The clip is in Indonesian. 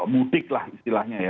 mutik lah istilahnya ya